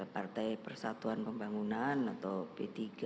partai persatuan pembangunan atau p tiga